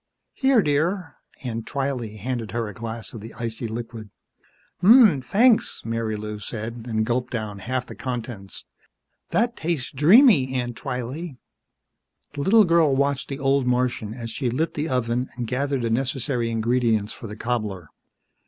"Here, dear." Aunt Twylee handed her a glass of the icy liquid. "Ummm, thanks," Marilou said, and gulped down half the contents. "That tastes dreamy, Aunt Twylee." The little girl watched the old Martian as she lit the oven and gathered the necessary ingredients for the cobbler.